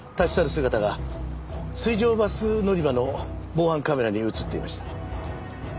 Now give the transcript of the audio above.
姿が水上バス乗り場の防犯カメラに映っていました。